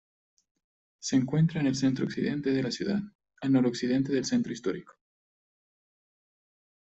Se encuentra en el centro-occidente de la ciudad, al noroccidente del centro histórico.